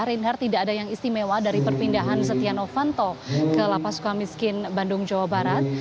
reinhard tidak ada yang istimewa dari perpindahan setia novanto ke lapas suka miskin bandung jawa barat